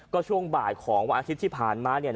ก็ช่วงบ่ายของวันอาทิตย์ที่ผ่านมาเนี่ย